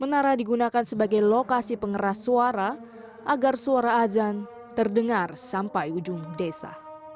menara digunakan sebagai lokasi pengeras suara agar suara azan terdengar sampai ujung desa